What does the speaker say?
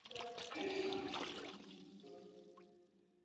Mbwa mwitu hushambuliwa na ugonjwa wa kichaa cha mbwa